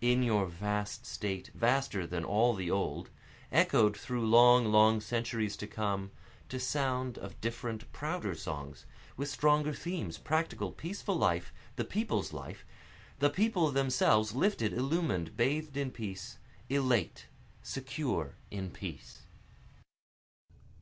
In your vast state vaster than all the old, Echoed through long, long centuries to come, To sound of different, prouder songs, with stronger themes, Practical, peaceful life, the people's life, the People themselves, Lifted, illumin'd, bathed in peace elate, secure in peace.